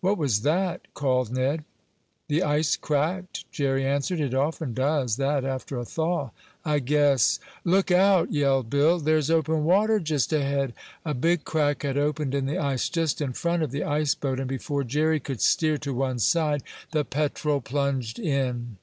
"What was that?" called Ned. "The ice cracked," Jerry answered. "It often does that after a thaw. I guess " "Look out!" yelled Bill. "There's open water just ahead!" A big crack had opened in the ice, just in front of the ice boat, and before Jerry could steer to one side the Petrel plunged in.